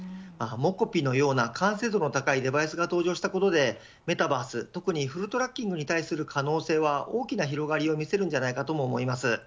ｍｏｃｏｐｉのような完成度の高いデバイスが登場したことでメタバース、特にフルトラッキングに対する可能性は大きな広がりを見せるんじゃないかと思います。